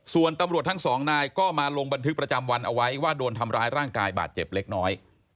ส่วนตำรวจทั้งสองนายก็มาลงบันทึกประจำวันเอาไว้ว่าโดนทำร้ายร่างกายบาดเจ็บเล็กน้อย